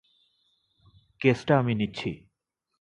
কেসটা আমি নিচ্ছি।